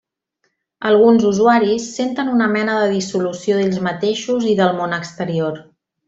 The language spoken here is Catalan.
Alguns usuaris senten una mena de dissolució d'ells mateixos i del món exterior.